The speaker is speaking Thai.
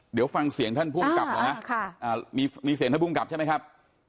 เดี๋ยวฟังเสียงท่านภูมิกับเหรอฮะมีเสียงท่านภูมิกับใช่ไหมครับ